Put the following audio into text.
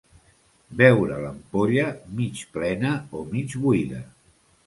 Veure l'ampolla mig plena o mig buida.